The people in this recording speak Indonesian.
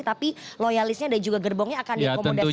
tapi loyalisnya dan juga gerbongnya akan dikomodasi dalam struktur